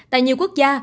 tại nhiều quốc gia